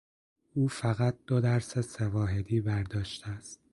او فقط دو درس سه واحدی برداشته است.